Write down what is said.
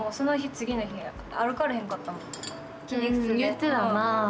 言ってたな。